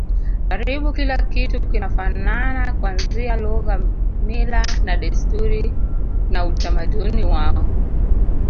Karibu kila kitu kinafanana kuanzia lugha mila na desturi na utamaduni wao